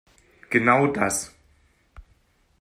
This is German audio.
Genau das!